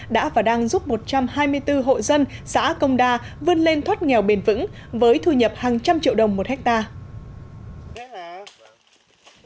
đã và đang giúp một trăm hai mươi bốn hộ dân xã công đa vươn lên thoát nghèo bền vững với thu nhập hàng trăm triệu đồng một hectare